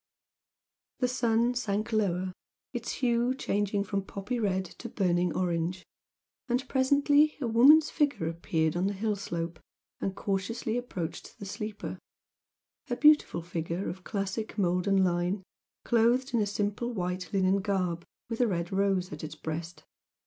The sun sank lower, its hue changing from poppy red to burning orange and presently a woman's figure appeared on the hill slope, and cautiously approached the sleeper a beautiful figure of classic mould and line, clothed in a simple white linen garb, with a red rose at its breast.